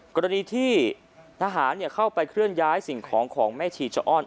กรณีที่ทหารเข้าไปเคลื่อนย้ายสิ่งของของแม่ชีชะอ้อน